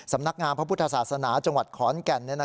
สำนักงามพระพุทธศาสนาจังหวัดขอนแก่น